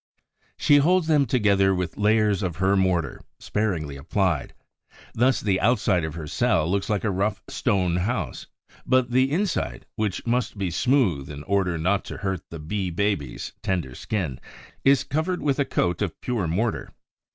She holds them together with layers of her mortar, sparingly applied. Thus the outside of her cell looks like a rough stone house; but the inside, which must be smooth in order not to hurt the Bee baby's tender skin, is covered with a coat of pure mortar.